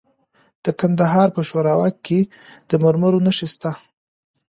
د کندهار په شورابک کې د مرمرو نښې شته.